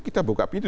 kita buka pintu